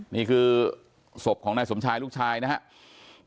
นี่คือศพของนายสมชายลูกชายนะครับ